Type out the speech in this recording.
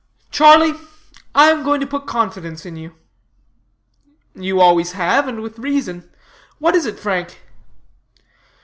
"Charlie, I am going to put confidence in you." "You always have, and with reason. What is it Frank?"